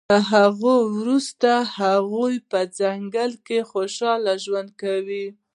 له هغې وروسته هغوی په ځنګل کې خوشحاله ژوند وکړ